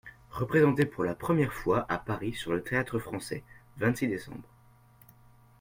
Représentée pour la première fois, à Paris, sur le Théâtre-Français (vingt-six déc.